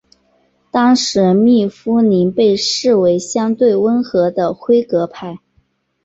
当时密夫林被视为相对温和的辉格派。